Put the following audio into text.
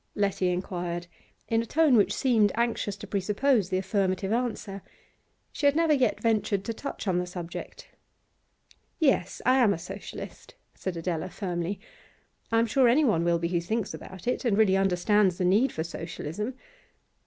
Letty inquired, in a tone which seemed anxious to presuppose the affirmative answer. She had never yet ventured to touch on the subject. 'Yes, I am a Socialist,' said Adela firmly. 'I am sure anyone will be who thinks about it, and really understands the need for Socialism.